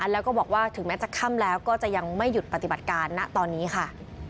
แล้วก็บอกว่าถึงแม้จะค่ำแล้วก็จะยังไม่หยุดปฏิบัติการณตอนนี้ค่ะ